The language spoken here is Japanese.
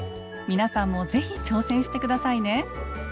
皆さんもぜひ挑戦してくださいね。